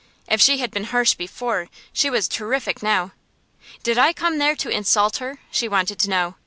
If she had been harsh before, she was terrific now. Did I come there to insult her? she wanted to know.